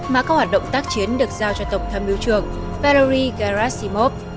mà các hoạt động tác chiến được giao cho tổng thâm mưu trưởng valery gerasimov